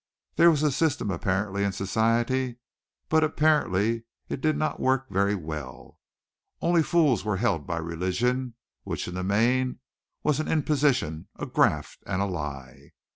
There was a system apparently in society, but also apparently it did not work very well. Only fools were held by religion, which in the main was an imposition, a graft and a lie.